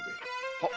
はっ？